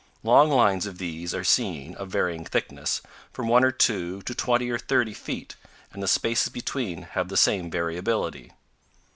Long lines of these are seen, of varying thickness, from one or two to twenty or thirty feet, and the spaces between have the same variability.